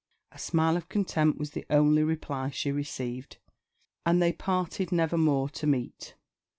A smile of contempt was the only reply she received, and they parted never more to meet.